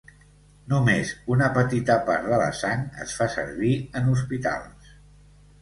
Només una petita part de la sang es fa servir en Hospitals.